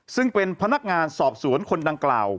ซึ่งเป็นพนักงานสอบสวนคนดังกล่าว